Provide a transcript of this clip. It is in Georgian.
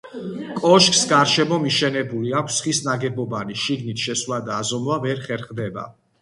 კოშკს გარშემო მიშენებული აქვს ხის ნაგებობანი, შიგნით შესვლა და აზომვა ვერ ხერხდება.